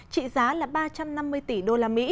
trị giá ba trăm năm mươi tỷ usd